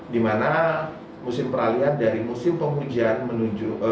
di mana musim peralihan dari musim penghujan menuju